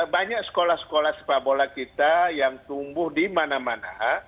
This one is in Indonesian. banyak sekolah sekolah sepak bola kita yang tumbuh di mana mana